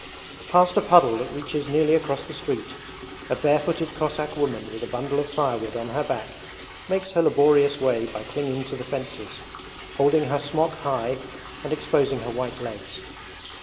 Past a puddle that reaches nearly across the street, a barefooted Cossack woman with a bundle of firewood on her back makes her laborious way by clinging to the fences, holding her smock high and exposing her white legs.